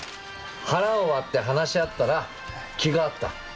腹を割って話し合ったら気が合った。